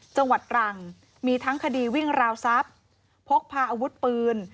จังหวัดตรังมีทั้งคดีวิ่งราวทรัพย์พกพาอาวุธปืน